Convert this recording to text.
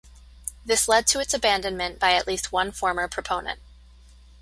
This led to its abandonment by at least one former proponent.